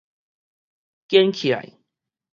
堅起來